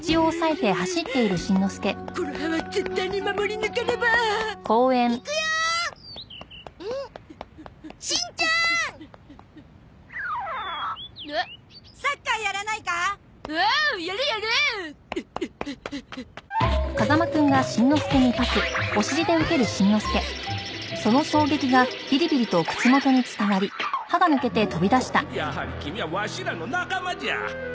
やはりキミはワシらの仲間じゃ！